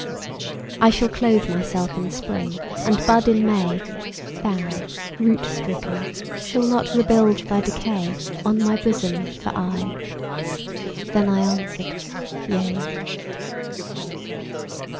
I shall clothe myself in Spring and bud in May: Thou, root stricken, shalt not rebuild thy decay On my bosom for aye. Then I answered: Yea.